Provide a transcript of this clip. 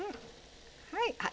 はい。